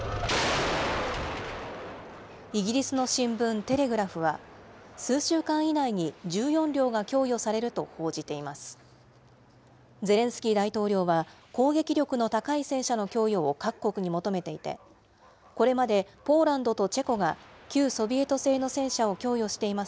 イギリスの新聞テレグラフは、数週間以内に１４両が供与されると報じています。